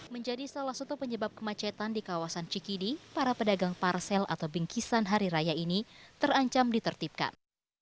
menjadi salah satu penyebab kemacetan di kawasan cikini para pedagang parsel atau bingkisan hari raya ini terancam ditertibkan